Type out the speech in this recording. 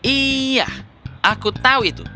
iya aku tahu itu